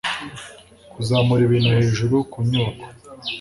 kuzamura ibintu hejuru ku nyubako